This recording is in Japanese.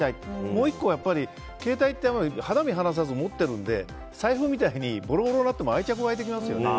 もう１個は携帯って肌身離さず持っているので財布みたいにボロボロになっても愛着が湧いてきますよね。